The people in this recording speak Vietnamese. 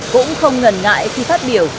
cũng không ngần ngại khi phát biểu